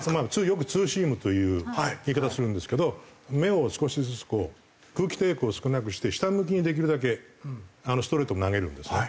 よくツーシームという言い方をするんですけど目を少しずつこう空気抵抗を少なくして下向きにできるだけストレートを投げるんですね。